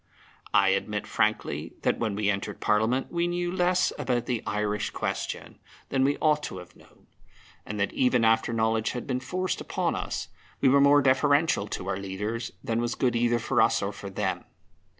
I admit frankly that when we entered Parliament we knew less about the Irish question than we ought to have known, and that even after knowledge had been forced upon us, we were more deferential to our leaders than was good either for us or for them.